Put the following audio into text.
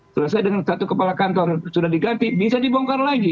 selesai dengan satu kepala kantor sudah diganti bisa dibongkar lagi